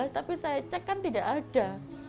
tapi saya cek kan tidak ada